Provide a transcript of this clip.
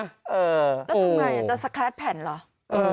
แล้วทุกคนอยากจะสครัดแผ่นเหรอ